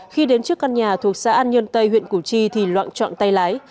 khi đến trước căn nhà thuộc xã an nhân tây huyện củ chi thì loạn trọn tay lái